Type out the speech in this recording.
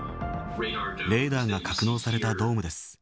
レーダーが格納されたドームです。